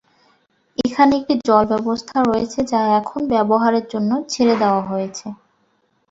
এখানে একটি জল ব্যবস্থা রয়েছে যা এখন ব্যবহারের জন্য ছেড়ে দেওয়া হয়েছে।